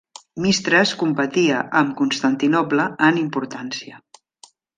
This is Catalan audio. Mystras competia amb Constantinoble en importància.